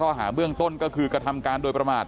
หาเบื้องต้นก็คือกระทำการโดยประมาท